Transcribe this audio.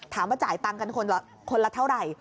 ถามว่าจ่ายตังค์กันคนละเท่าไหร่